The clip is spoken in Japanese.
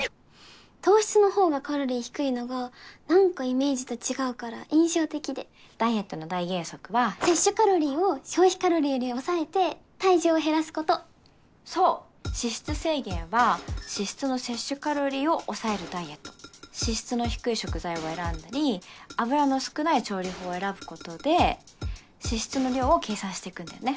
糖質の方がカロリー低いのが何かイメージと違うから印象的でダイエットの大原則は摂取カロリーを消費カロリーより抑えて体重を減らすことそう脂質制限は脂質の摂取カロリーを抑えるダイエット脂質の低い食材を選んだり油の少ない調理法を選ぶことで脂質の量を計算していくんだよね